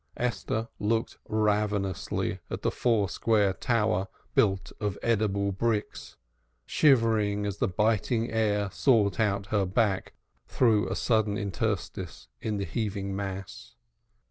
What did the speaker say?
Esther looked ravenously at the four square tower built of edible bricks, shivering as the biting air sought out her back through a sudden interstice in the heaving mass.